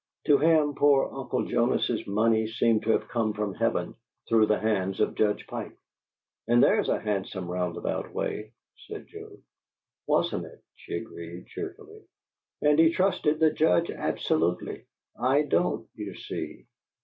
To him poor Uncle Jonas's money seemed to come from heaven through the hands of Judge Pike " "And there's a handsome roundabout way!" said Joe. "Wasn't it!" she agreed, cheerfully. "And he trusted the Judge absolutely. I don't, you see."